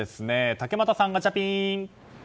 竹俣さん、ガチャピン！